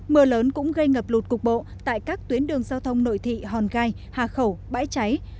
mưa lớn cũng gây ngập lụt cục bộ tại các tuyến đường giao thông nội thị hòn gai hà khẩu bãi cháy